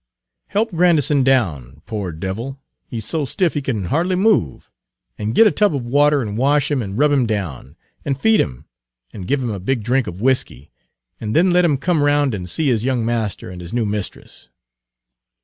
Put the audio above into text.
Help Grandison down, poor devil, he 's so stiff he can hardly move! and get a tub of water and wash him and rub him down, and feed him, and give him a big drink of whiskey, and then let him come round and see his young master and his new mistress."